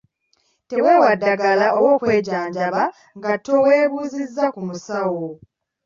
Teweewa ddagala oba okwejjanjaba nga teweebuuzizza ku musawo.